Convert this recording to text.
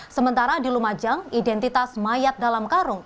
sementara di lumajang identitas mayat dalam karung